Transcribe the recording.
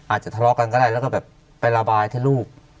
ทะเลาะกันก็ได้แล้วก็แบบไประบายถ้าลูก